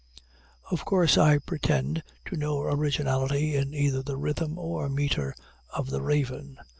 Of course, I pretend to no originality in either the rhythm or meter of the "Raven."